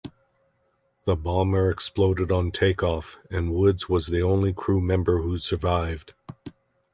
The bomber exploded on take-off, and Woods was the only crew member who survived.